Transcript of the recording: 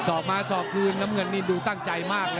อกมาสอบคืนน้ำเงินนี่ดูตั้งใจมากเลย